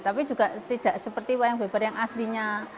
tapi juga tidak seperti wayang beber yang aslinya